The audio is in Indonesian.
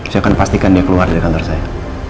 saya akan pastikan dia keluar dari kantor saya